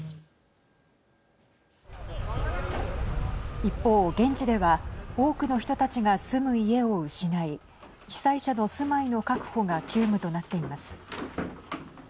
一方、現地では多くの人たちが住む家を失い被災者の住まいの確保が急務となっています。